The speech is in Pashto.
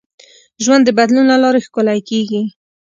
ژوند د بدلون له لارې ښکلی کېږي.